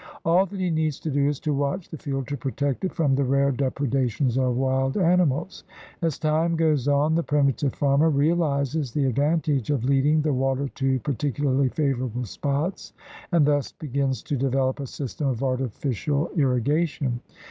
All that he needs to do is to watch the field to protect it from the rare depredations of wild animals. As time goes on the primi tive farmer realizes the advantage of leading the water to particularly favorable spots and thus be gins to develop a system of artificial irrigation.